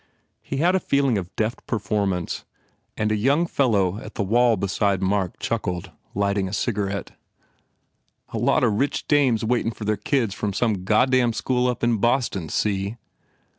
He had a feeling of deft performance and a young fellow at the wall beside Mark chuckled, lighting a cigarette. U A lot of rich dames waitin for their kids from some goddam school up in Boston, see?"